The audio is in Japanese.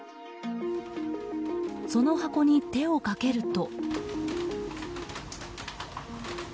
その箱に手をかけると。